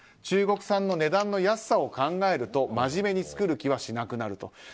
中国産の値段の安さを考えると真面目に作る気はしなくなる。